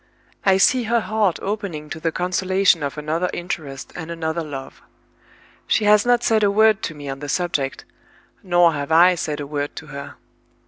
I see her heart opening to the consolation of another interest and another love. She has not said a word to me on the subject, nor have I said a word to her.